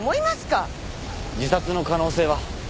自殺の可能性は？